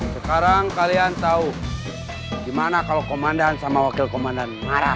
sekarang kalian tahu gimana kalau komandan sama wakil komandan